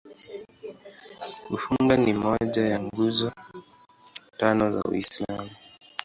Kufunga ni moja ya Nguzo Tano za Uislamu.